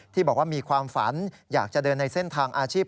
ที่บอกว่ามีความฝันอยากจะเดินในเส้นทางอาชีพ